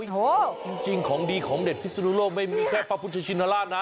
จริงของดีของเด็ดพิศนุโลกไม่มีแค่พระพุทธชินราชนะ